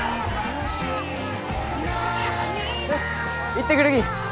行ってくるき。